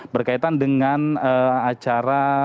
berkaitan dengan acara